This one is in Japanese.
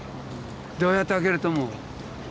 どうやって開けると思う？